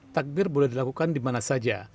takbir boleh dilakukan di mana saja